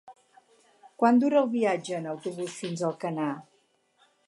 Quant dura el viatge en autobús fins a Alcanar?